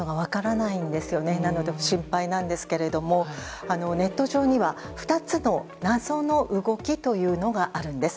なので、心配なんですけれどもネット上には、２つの謎の動きというのがあるんです。